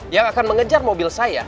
yang akan mengejar mobil saya